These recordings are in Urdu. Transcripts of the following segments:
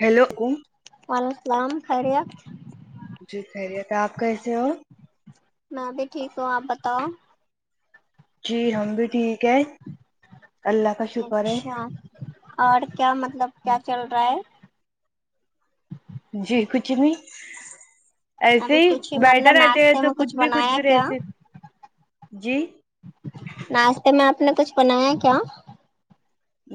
ہیلو بو وعلیکم السلام خیریت جی خیریت آپ کیسے ہو میں بھی ٹھیک ہوں آپ بتاؤ جی ہم بھی ٹھیک ہے اللہ کا شکر ہے اچھا اور کیا مطلب کیا چل رہا ہے جی کچھ بھی ایسے ابھی ہی کچھ بیٹھے مطلب رہتے ہیں ناشتے تو میں کچھ بھی کچھ بنایا بھی کیا رہس جی ناشتے میں آپ نے کچھ بنایا کیا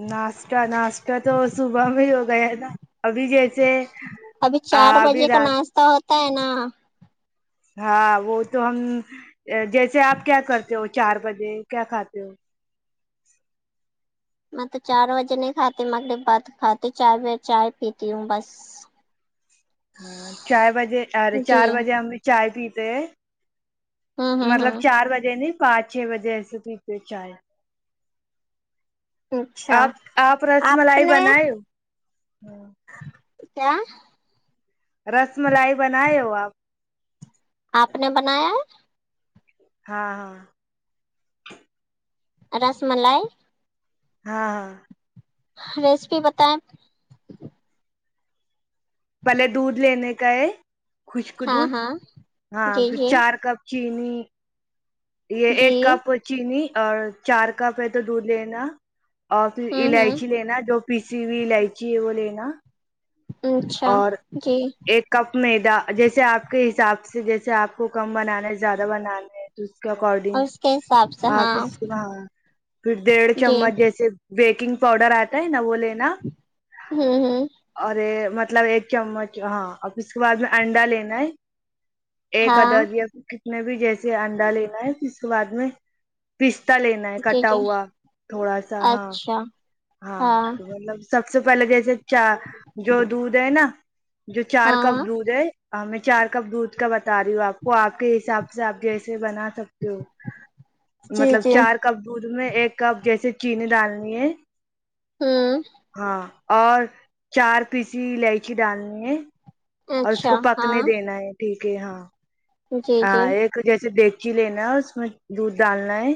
ناشتہ ناشتہ تو صبح میں ہی ہو گیا نہ ابھی جیسے ابھی چار ابھی بجے کا رات ناشتہ ہوتا ہے نا ہاں وہ تو ہم جیسے آپ کیا کرتے ہو چار بجے کیا کھاتے ہو میں تو چار بجے نہیں کھاتی میںگنے بعد کات ہ چار ب چائے پیتی ہوں بس ہاں چائے بجے ارے جی چار بجے ہم نے چائے پیتے ہوں ہوں مطلب ہوں چار بجے نہیں پانچ چھ بجے ایسے پیتے چائے اچھا آپ آپ رس ملائی بنایی ہو کیا رس ملائی بنائے ہو آپ آپ نے بنایا ہے ہاں ہاں رس ملائی ہاں ہاں ریسیپی بتائیں پہلے دودھ لینے کا ہے خشک ہاں دودھ ہاں ہاں جی پھر جی چار کپ چینی یہ جی ایک کپ چینی اور چار کپ ہے تو دودھ لینا اور پھر ہوں ہوں الائچی لینا جو پیسی ہوئی الائچی ہے وہ لینا اچھا اور جی ایک کپ میدا جیسے آپ کے حساب سے جیسے آپ کو کم بنانا ہے زیادہ بنانا ہے اس کے اکارڈنگ اور اس کے حساب سے آپ ہاں اساں پھر ڈیڑھ جی چمچ جیسے بیکنگ پاؤڈر آتا ہے نا وہ لینا ہوں ہوں اور مطلب ایک چمچ ہاں اور پھر اس کے بعد میں انڈا لینا ہے ایک ہاں ادد یا پھر کتنے بھی جیسے انڈا لینا ہے پھر اس کے بعد میں پستا لینا ہے جی کٹا جی ہوا تھوڑا سا ہاں اچھا ہاں تو مطلب سب سے پہلے جیسے چ جو دودھ ہے نا جو چار کپ ہاں دودھ ہے میں چار کپ دودھ کا بتا رہی ہوں آپ کو آپ کے حساب سے آپ جیسے بنا سک جی مطلب جی چار کپ دودھ میں ایک کپ جیسے چینی ڈالنی ہے ہوں ہاں اور چار پیسی الائچی ڈالنی ہے اور اس اچھا کو ہاں پکنے دینا ہے ٹھیک ہے ہاں جی ہاں جی ایک جیسے ڈیکچی لینا ہے اس میں دودھ ڈالنا ہے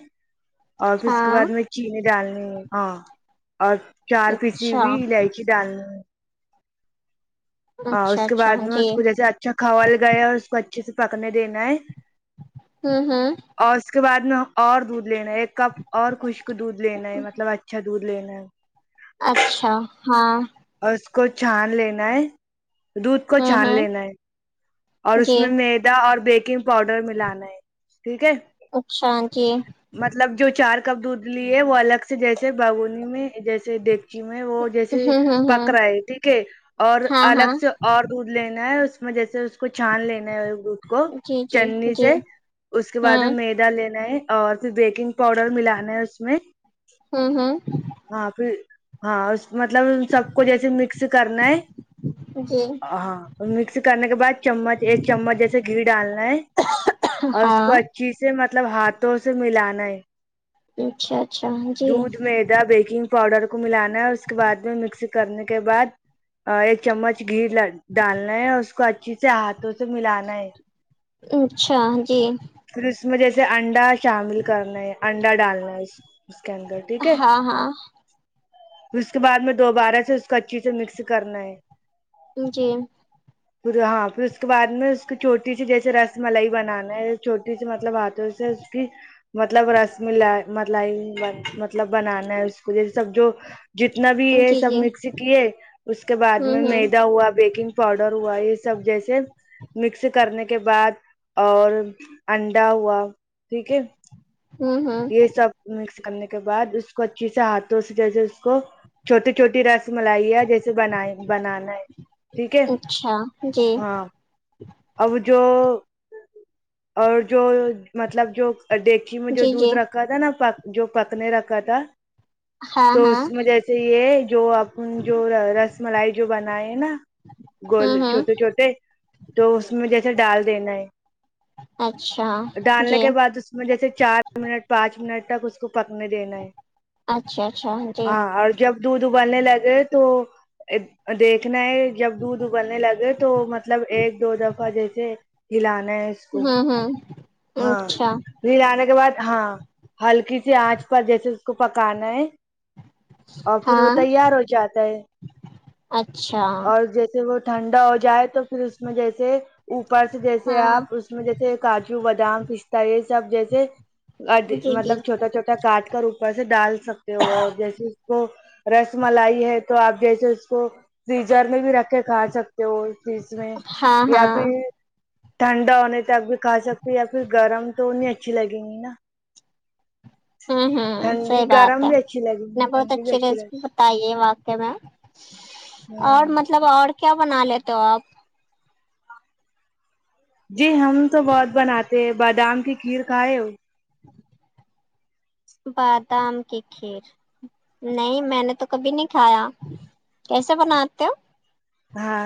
اور پھر اس کے ہاں بعد میں چینی ڈالنی ہاں اور چار پیسی اچھا بھی الائچی ڈالنی اور اچھا اس کے اچھا بعد میں جی اس کو جیسے اچھا کھل گیا اور اس کو اچھے سے پکنے دینا ہے ہوں ہاں اور اس کے بعد میں اور دودھ لینا ہے ایک کپ اور خشک دودھ لینا ہے مطلب اچھا دودھ لینا ہے اچھا ہاں اور اس کو چھان لینا ہے دودھ کو ہوں چھان ہوں لینا ہے اور اس جی میں میدا اور بیکنگ پاؤڈر ملانا ہے ٹھیک ہے اچھا جی مطلب جو چار کپ دودھ لی ہے وہ الگ سے جیسے باگونی میں جیسے دیکھ وہ جیسے ہوں ہوں ہوں پک رہا ہے ٹھیک ہے اور ہاں ہاں الگ سے اور دودھ لینا ہے اس میں جیسے کو چھان لینا ہے دھ کو جی جی چھنی جی سے اس کے بعد ہوں میدا لینا ہے اور پھر بیکنگ پاؤڈر ملانےا ہے اس میں ہوں ہوں ہاں پھر ہاں اس مطلب سب کو جیسے مکس کرنا ہے جی ہاں مکس کرنے کے بعد مچ ایک چمچ جیسے گھی ڈالنا ہے اور اس کو ہاں اچ ی سے مطلب ہاتھوں سے ملانا ہے اچھا اچھا جی دودھ میدا بیکنگ پاؤڈر کو ملانا ہے اس کے بعد میں مکسی کرنے کے بعد ایک چمچ گھی ڈالنا ہے اور اس کو اچھے سے ہاتھوں سے ملانا ہے اچھا جی پھر اس میں جیسے انڈا شامل کرنا ہے انڈا ڈالنا ہے اس اس کے اندر ٹھیک ہے ہاں ہاں پھر اس کے بعد میں دوبارہ سے اس کو اچھی سے مکس کرنا ہے جی پھر ہاں پھر اس کے بعد میں اس کو چھوٹی سی جیسے رس ملائی بنانا ہے چوٹی سی مطلب ہاتھوں سے کہ مطلب رس مل ملای مطلب بنانا ہے اس کو یہ سب جو جتنا بھی یہ جی سب جی مکسی کیے اس کے بعد میں ہوں ہوں میدا ہوا بیکنگ پاؤڈر ہوا یہ یہ سب جیسے مکس کرنے کے بعد اور انڈا ہوا ٹھیک ہے ہوں ہوں یہ سب مکس کرنے کے بعد اس کو اچھی سے ہاتھوں سے جیسے اس کو چھوٹی چھوٹی رس رس ملائیا جیسے بن بنانا ہے ٹھیک ہے اچھا جی ہاں اب جو اور جو مطلب جو دیک میں جو جی جی دودھ رکھا تھا نا جو پکنے رکھا تھا ہاں تو ہاں اس میں جیسے یہ جو اپ جو رس ملائی جو بنائے نا گول ہوں ہوں چھوٹے چھوٹے تو اس میں جیسے ڈال دینا ہے اچھا ڈالنے جی کے بعد اس میں جیسے چار منٹ پانچ منٹ تک اس سپکنے دینا ہے اچھا اچھا جی ہاں جب دودھ ابالنے لگے تو دیکھنا ہے جب دودھ ابلنے لگے تو مطلب ایک دو دفعہ جیسے ہلانے اس کو ہوں ہوں ہاں اچھا ہلانے کے بعد ہاں ہلکی سی آنچ پر جیسے اس کو پکانا ہے اور پھر وہ ہاں تیار ہو جاتا ہے اچھا اور جیسے وہ ٹھنڈا ہو جائے تو پھر اس میں جیسے اوپر سے جیسے ہاں آپ اس میں جیسے کاجو بادام پستتا یہ سب جیسے جی جی مطلب چھوٹا چھوٹا کاٹ کر اپر سے ڈال سکتے ہو اور جیسے اس کو رس ملائی ہے تو آپ جیسے اس کو فریجر میں بھی رکھ کے کھا سکتے ہو فریج میں ہاں یا ہاں پھر ٹھنڈا ہونے تک بھی کھا سکتے یا پھر گرم تو اننی اچھی لگیں گی نا [inaudible] ہوں ٹھنڈی صحیح بات گرم ہے بھی اچھی لگے گی نے بہت ٹھنڈی بھی اچھی لگے ریسپی بتائی ہے واقع میں ہوں اور مطلب اور کیا بنا لیتے ہو آپ جی ہم تو بہت بناتے ہیں بادام کی کھیر کھائے بادام کے کھییر نہیں میں نے تو کبھی نہیں کھایا کیسے بناتے ہو ہاں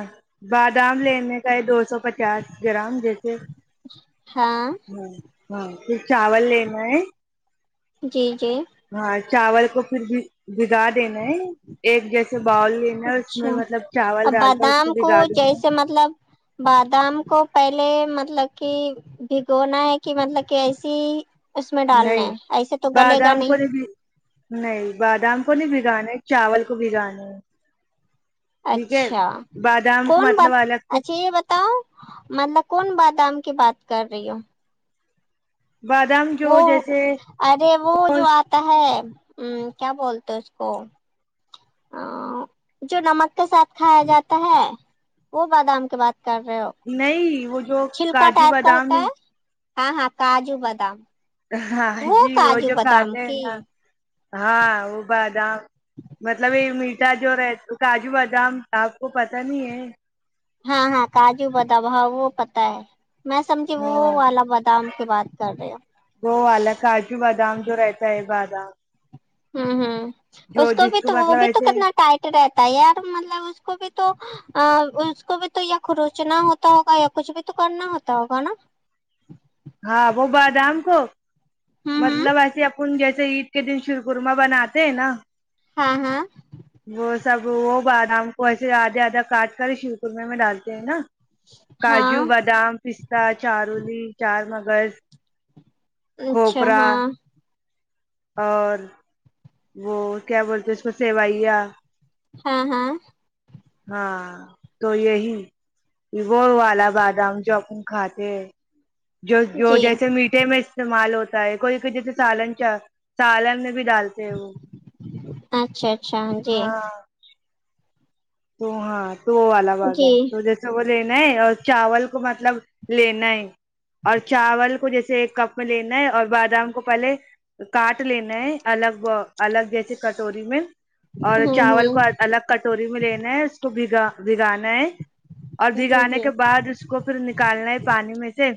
بادام لینے کا ہے دو سو چاس گرام جیسے ہاں ہاں تو چاول لینا ہے جی جی ہاں چاول کو پھر بھی بگا دینا ہے ایک جیسے باؤل لینا اس اچھا میں مطلب چاول اب ڈال کر اس کو بادام بگاڑ جیسے مطلب بادام کو پہلے مطلب کہ بھگونا ہے کہ مطلب کہ ایسی اس میں نہیں ڈالنا ایسے تو گلے گا بادام کو نہیں نہیں بادام کو نہیں بگانے چاول کو بگانے اچھا بادام کو کون مطلب بات الگ سے اچھا یہ بتاؤ مطلب کون بادام کی بات کر رہی ہ بادام وہ جو جیسے ارے وہ جو آتا ہے کیا بولتے اس کو جو نمک کے ساتھ کھایا جاتا ہے وہ بادام کی بات کر رہے ہو نہیں وہ جو چھلکا کاجو ٹائپ کا بادام ہوتا ہے ہاں ہاں کاجو بادام ہاں جی وہ کاجو جو بادام کھاتے ہیں کی نا ہاں وہ بادام مطلب یہ می جو رہ کاجو بادام آپ کو پت نہیں ہے ہاں ہاں کاجو بدباؤ وہ پتا ہے میں سمجھی وہ ہاں والا بادام کی بات کر رہی وہ والا کاجو بادام جو رہتا ہے بادام ہوں ہوں جو اس کو جس بھی تو وہ مطلب بھی تو ایسے کتنا ٹائٹ رہتا ہے یار مطلب اس کو بھی تو ا اس کو بھی تو یا خروچنا ہوتا ہوگا یا کچھ بھی تو کرنا ہوتا ہوگا نا ہاں وہ بادام کو ہوں ہوں مطلب ایسے اپن جیسے عید کے دن شر قرما بناتے ہیں نا ہاں ہاں وہ سب وہ بادام کو ایسے آدھے آدھا کاٹ کر شیر قورمے میں ڈالتے ہیں نا ہاں کاجو بادام پستتا چارولی چار مگز اچھا ہاں اور وہ کیا بولتے اس کو سیوئیا ہاں ہاں ہاں تو یہی وہ والا بادام جو اپ کھاتے ہیں جو جو جی جیسے می میں استعمال ہوتا ہے کوئی جیسے سالن چاہ سالن میں بھی ڈالتا وہ اچھا اچھا جی ہاں تو ہاں تو وہ والا باغ ہے جی تو جس وہ لینا ہے اور چاول کو مطلب لینا ہے اور چاول کو جیسے ایک کپ میں لینا ہے اور بادام کو پہلے کاٹ لینا ہے الگ الگ جیسے کٹوری میں اور ہوں چاول کو ہوں الگ کٹوری میں لے اس کو بگا بھگانا ہے اور جی بھگانے جی کے بعد اس کو پھر نکالنا ہے پانی میں سے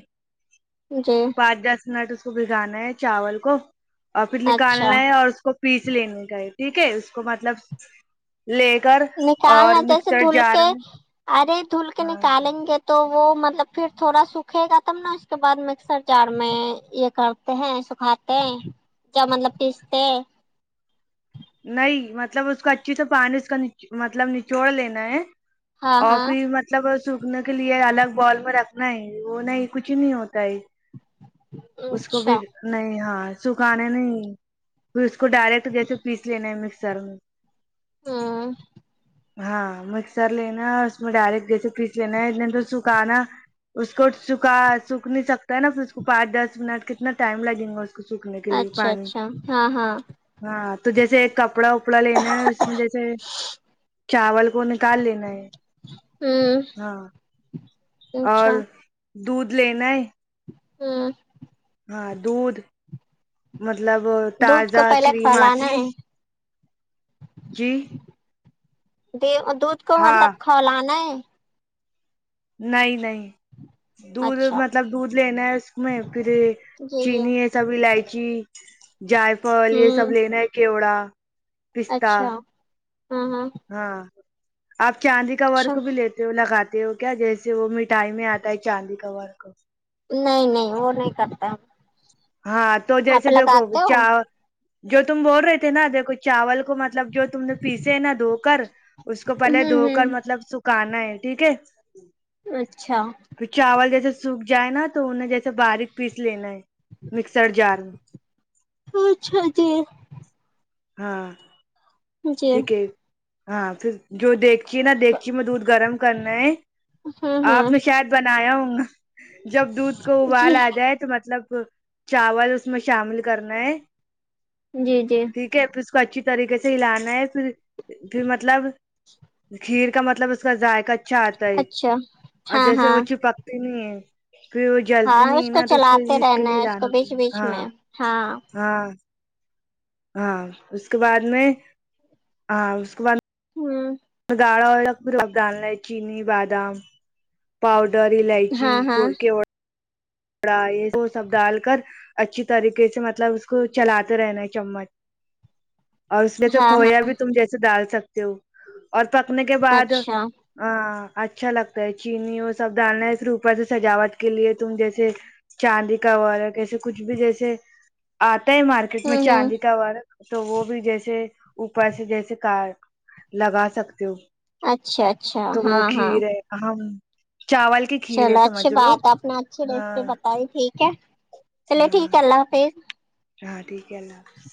جی پانچ دس نٹ اس کو بھگانا ہے چاول کو اور پھر اچھا نکالنا ہے اور اس کو پیس لینے کا ہے ٹھیک ہے اس کو مطلب لے کر اور کالنا جیسے مکسر دھل کے جار میں ارے دھل کے ہاں نکالیں گے تو تو وہ مطلب پھر تھوڑا سوکھے گا تب نا اس کے بعد مکسر جار میں یہ کرتے ہیں سکھاتے ہاں جا مطلب پیستے ہیں نہیں مطلب اس کو اچھیے سے پانی اس کا مطلب نچوڑ لینا ہے ہاں ہاں اورفی ما مطلب سوکھنے کے لیے الگ باؤل میں رکھنا ہے وہ نہیں کچھ نہیں ہوتا ہے اس کو بھی اچھا نہیں ہاں سکھانے نہیں پھر اس کو ڈائریکٹ جیسے پیس لینا ہے مکسر میں ہاں ہاں مکسر لینا اس میں ڈائریکٹ جیسے کریچ لینا اتنے تو سکھانا اس کو سکھا سکھ نہیں سکتا ہے نا پھر اس کو پانچ دس منٹ کتنا ٹائم لگیں گا اس اس کو سوکھنے کے لیے اچھا پانی اچھا ہاں ہاں ہاں تو جیسے ایک کپڑا اپڑا لینا ہے اس میں جیسے چاول کو نکال لینا ہے ہوں اور دودھ لینا ہے ہمم ہاں دودھ مطلب دودھ کو تازہ پہلے کریم آتی کھولانا ہے جی دودھ کو مطلب ہاں کھولنا ہے نہیں نہیں دودھ اچھا مطلب دودھ لینا ہے اس میں پھر جی جی چینی یہ سب الائچی جائفل یہ ہوں سب لینا ہے کیوڑا پستہ اچھا ہاں ہاں ہاں آپ چاندی کا اچھا ورک بھی لیتے وہ لگاتے ہو کیا جیسے وہ مٹھائی میں آتا ہے چاندی کا وار خ نہیں نہیں وہ نہیں کرتا ہاں تو جیسے آپ دیکھو لگاتے ہو چا جو تم بول رہے تھے نہ دیکھو چاول کو مطلب جو تم نے پیسے ہے نا دھوپ کر اس کو پہلے ہوں دھو کر ہوں مطلب سکھانا ہے ٹھیک ہے اچھا پھر چاول جیسے سوکھ جائے نا تو انہیں جیسے باریک پیس لینا ہے مکسر جار میں اچھا جی ہاں جی ٹھیک ہے ہاں پھر جو دیکھچی ہے نہ دیکھچی میں دودھ گرم کرنا ہے ہاں ہاں آپ نے شاید بنایا ہونگا جب دودھ کو جی ابالا اجائے تو مطلب چاول اس میں شامل کرنا ہے جی جی ٹھیک ہے پھر اس کو اچھی طریقے سے ہلانا ہے پھر پھر مطلب کھیر کا مطلب اس کا ذائق اچھا آتا ہے اچھا اور ہاں جیسے ہاں وہ چپکتے نہیں ہے پھر وہ جلتی ہاں نہیں کو نا تو اس کے چلاتے اس کے رہنا لیے ہے لانا کو پڑ بیچ گا بیچ ہاں میں ہاں ہاں ہاں اس کے بعد میں ہاں اس کو بعد ہوں گاڑا ہویگا ہے پھر چینی بادام پؤڈر الائچی ہاں ہاں کیوڑا کیوڑا یہ وہ سب ڈال کر اچھی طریقے سے مطلب اس کو چلاتے رہنا ہے چمچ ناقابل سماعت اور اس میں تو کھویا بھی تم جیسے ڈال سکتے ہو اور پکنے کے بعد اچھا ہاں اچھا لگتا ہے چینی وہ سب ڈالانا ہے اس اوپر سے سجاوٹ کے لیے تم جیسے ج چاندی کا وارخ کیسے کچھ بھی جیسے آتا ہے مارکیٹ مارکیٹ میں ہوں ہوں چاندی کا وارخ تو وہ بھی جیسے اوپر سے جیسے ک لگا سکتے ہو اچھا اچھا تو وہ ہاں ہاں کھیر ہے ہم چاول کی کھیر ہے چلو اچھی سمجھ لو بات ہے اپنا اچھے ڈریس پہ ہاں بتائی ٹھیک ہے چلو ٹھیک ہاں ہے اللہ حافظ ہاں ٹھیک ہے اللہ حافظ